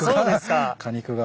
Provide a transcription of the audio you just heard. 果肉が。